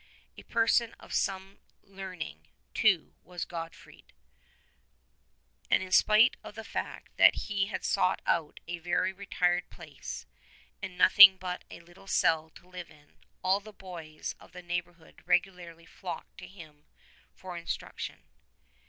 A person of some learnkig too was Gorfoed, and in spite of the fact that he had sought out a very retired place and had nothing but a little cell to live in, all the boys of the neighborhood regularly flocked to him for instruction.